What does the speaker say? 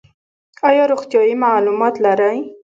ایا روغتیایی معلومات لرئ؟